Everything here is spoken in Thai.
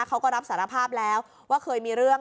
เขาก็รับสารภาพแล้วว่าเคยมีเรื่อง